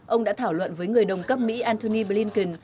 ông đã thảo luận với người đồng cấp mỹ antony blinken